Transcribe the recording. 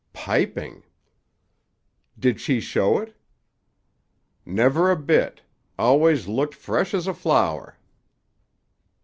"Piping!" "Did she show it?" "Never a bit. Always looked fresh as a flower."